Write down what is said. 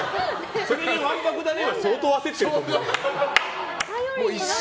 それでわんぱくだねは相当、焦ってる。